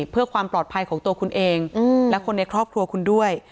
เพื่อความปลอดภัยของตัวคุณเองและคนในครอบครัวคุณด้วย